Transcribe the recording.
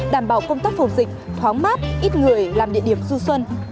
đảm bảo công tác phòng dịch thoáng mát ít người làm địa điểm du xuân